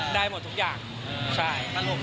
ได้หมดทุกอย่างใช่